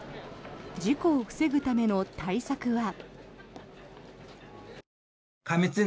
事故を防ぐための対策は。